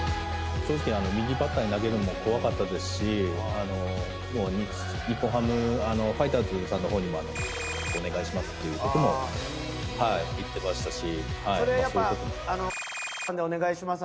正直右バッターに投げるの怖かったですし日本ハムファイターズさんのほうにもお願いしますっていうことも言ってましたし。